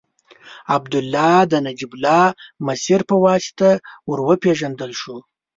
عبدالله د نجیب الله مسیر په واسطه ور وپېژندل شو.